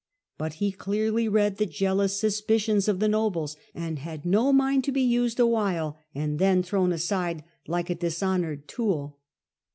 But he clearly read the jealous suspicions of the nobles, and had no mind to be used awhile and then thrown aside like a dishonoured tool.